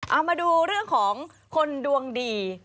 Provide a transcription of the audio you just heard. เอามาดูเรื่องของคนดวงดี